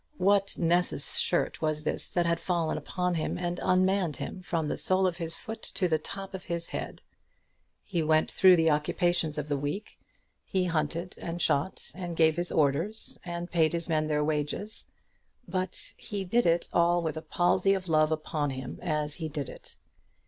What Nessus's shirt was this that had fallen upon him, and unmanned him from the sole of his foot to the top of his head? He went through the occupations of the week. He hunted, and shot, and gave his orders, and paid his men their wages; but he did it all with a palsy of love upon him as he did it.